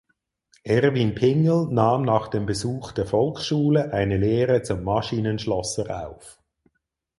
Erwin Pingel nahm nach dem Besuch der Volksschule eine Lehre zum Maschinenschlosser auf.